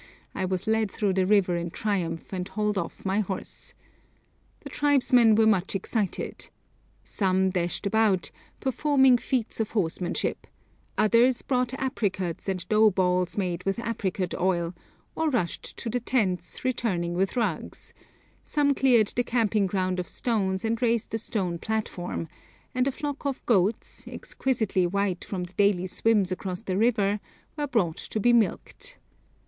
_' I was led through the river in triumph and hauled off my horse. The tribesmen were much excited. Some dashed about, performing feats of horsemanship; others brought apricots and dough balls made with apricot oil, or rushed to the tents, returning with rugs; some cleared the camping ground of stones and raised a stone platform, and a flock of goats, exquisitely white from the daily swims across the river, were brought to be milked.